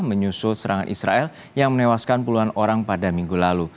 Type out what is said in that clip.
menyusul serangan israel yang menewaskan puluhan orang pada minggu lalu